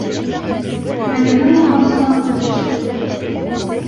- Мәҙинә уға асыуланып өндәште.